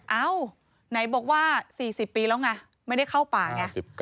เอ้าไหนบอกว่า๔๐ปีแล้วไงไม่ได้เข้าป่าไง